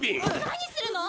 何するの！